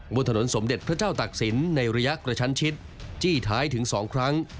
บนถนนสมเด็จพระเจ้าตักศิลป์ในระยะกระชั้นชิดจี้ท้ายถึง๒ครั้ง